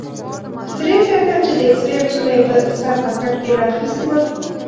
دریم ډاکټر چې د اېکسرې عکسونه یې په سر پاکټ کې را اخیستي ول.